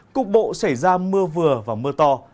cục bộ sẽ ra mưa vừa và mưa to